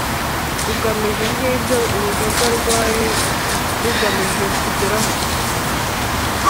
ugamije nk ibyo Urugaga rwari rugamije kugeraho